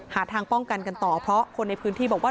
หาทางป้องกันกันต่อเพราะคนในพื้นที่บอกว่า